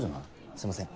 すいません。